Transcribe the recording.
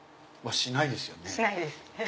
しないです。